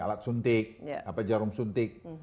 alat suntik jarum suntik